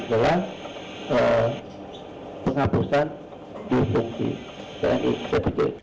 adalah penghapusan difungsi tni pbd